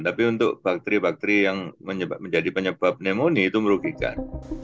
tapi untuk bakteri bakteri yang menjadi penyebab pneumonia itu merugikan